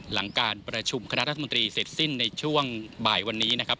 หลังการประชุมคณะรัฐมนตรีเสร็จสิ้นในช่วงบ่ายวันนี้นะครับ